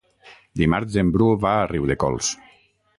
Dimarts en Bru va a Riudecols.